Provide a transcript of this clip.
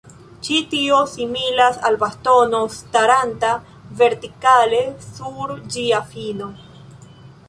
Ĉi tio similas al bastono staranta vertikale sur ĝia fino.